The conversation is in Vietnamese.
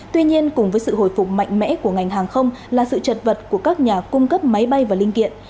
tuy nhiên cùng với sự hồi phục mạnh mẽ của ngành hàng không là sự chật vật của các nhà cung cấp máy bay và linh kiện